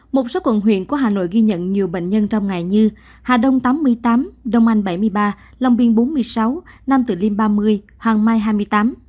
một số quận huyện của hà nội ghi nhận nhiều bệnh nhân trong ngày như hà đông tám mươi tám đông anh bảy mươi ba long biên bốn mươi sáu nam tử liêm ba mươi hoàng mai hai mươi tám